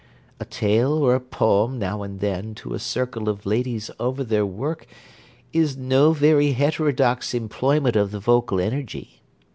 A tale or a poem, now and then, to a circle of ladies over their work, is no very heterodox employment of the vocal energy.